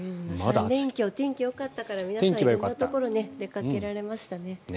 ３連休お天気がよかったから皆さん、色んなところに出かけられましたね。